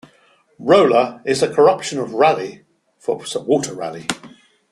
Rolla is a corruption of Raleigh, for Sir Walter Raleigh.